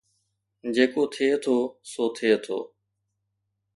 جيڪو ٿئي ٿو سو ٿئي ٿو